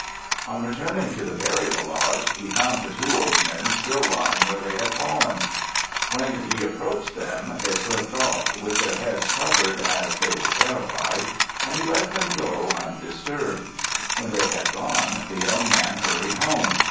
On returning to the burial lodge, he found the two old men still lying where they had fallen. When he approached them, they slipped off, with their heads covered, as they were terrified, and he let them go undisturbed. When they had gone, the young man hurried home.